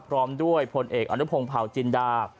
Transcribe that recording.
พร้อมด้วยพลเอกอนุพงศ์เผาจินดา